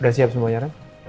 udah siap semuanya rem